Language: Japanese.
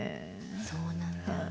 そうなんだ。